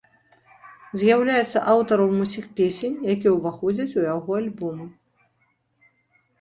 З'яўляецца аўтарам усіх песень, якія ўваходзяць у яго альбомаў.